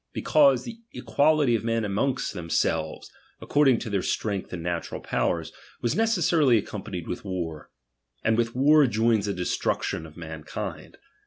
cause the equaJity of men among themselves, ac cording to their strength and natural powers, was necessarily accompanied with war ; and with war joins the destruction of mankind.